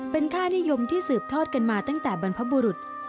เป็นค่านิยมที่สืบทอดกันมาตั้งแต่บรรพบุรุษ